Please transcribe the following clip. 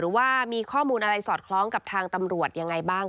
ว่ามีข้อมูลอะไรสอดคล้องกับทางตำรวจยังไงบ้าง